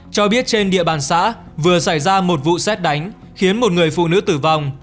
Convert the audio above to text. cho biết trên địa bàn xã vừa xảy ra một vụ xét đánh khiến một người phụ nữ tử vong